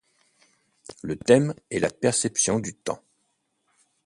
Le thème est la perception du temps.